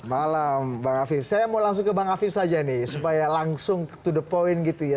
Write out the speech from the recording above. malam bang afif saya mau langsung ke bang hafiz saja nih supaya langsung to the point gitu ya